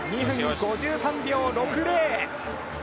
２分５３秒６０！